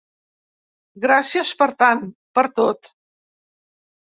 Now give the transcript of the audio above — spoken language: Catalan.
Gràcies per tant, per tot!